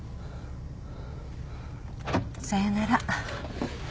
さよなら。